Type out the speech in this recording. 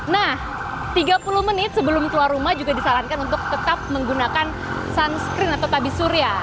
nah tiga puluh menit sebelum keluar rumah juga disarankan untuk tetap menggunakan sunscreen atau tabi surya